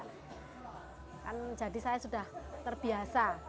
kan jadi saya sudah terbiasa